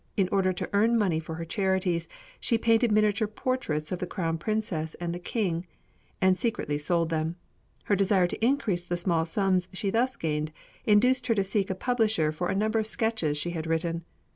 In order to earn money for her charities she painted miniature portraits of the Crown Princess and the King, and secretly sold them. Her desire to increase the small sums she thus gained induced her to seek a publisher for a number of sketches she had written.